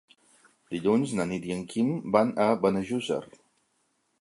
Dilluns na Nit i en Guim van a Benejússer.